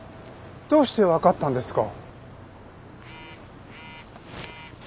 どうしてわかったんですか？